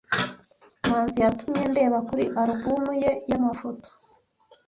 Manzi yatumye ndeba kuri alubumu ye y'amafoto.